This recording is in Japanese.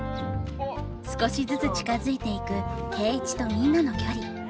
少しずつ近づいていく圭一とみんなの距離。